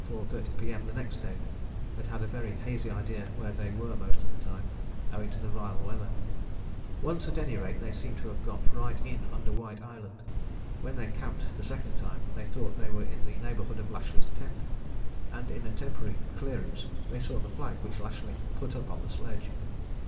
30 P.M. the next day, but had a very hazy idea where they were most of the time, owing to the vile weather: once at any rate they seem to have got right in under White Island. When they camped the second time they thought they were in the neighbourhood of Lashly's tent, and in a temporary clearance they saw the flag which Lashly had put up on the sledge.